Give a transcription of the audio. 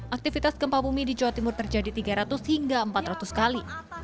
aktivitas gempa bumi di jawa timur terjadi tiga ratus hingga empat ratus kali